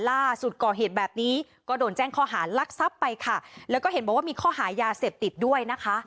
ล่าสุดก่อเหตุแบบนี้ก็โดนแจ้งข้อหารลักทรัพย์ไปค่ะแล้วก็เห็นบอกว่ามีข้อหายาเสพติดด้วยนะคะ